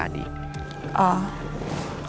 hai adi hai ini saya adi